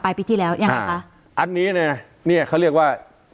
ปีที่แล้วยังไงคะอันนี้เลยนะเนี้ยเขาเรียกว่า